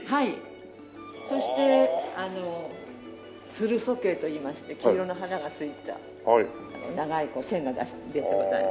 そしてツルソケイといいまして黄色の花がついた長い線が出てございますが。